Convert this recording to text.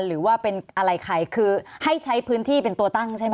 หรือว่าเป็นอะไรใครคือให้ใช้พื้นที่เป็นตัวตั้งใช่ไหม